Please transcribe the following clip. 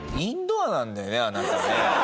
あなたね？